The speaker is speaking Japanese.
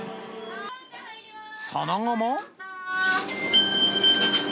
その後も。